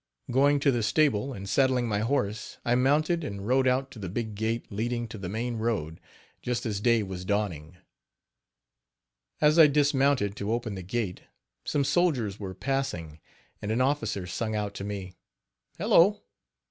Going to the stable and saddling my horse, I mounted and rode out to the big gate leading to the main road, just as day was dawning. As I dismounted to open the gate, some soldiers were passing and an officer sung out to me, "Hello!